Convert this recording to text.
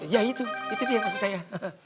iya itu itu dia nama saya